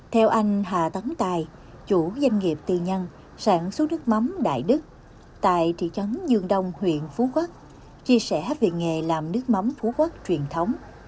theo anh hà tấn tài chủ doanh nghiệp tiền nhân sản xuất nước mắm đại đức tại trị trấn dương đông huyện phú quốc chia sẻ về nghề làm nước mắm phú quốc truyền thống